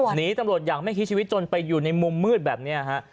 หนีตำรวจอย่างไม่คิดชีวิตจนไปอยู่ในมุมมืดแบบนี้ฮะ